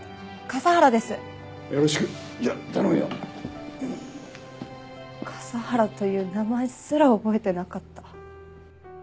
笠原という名前すら覚えてなかった。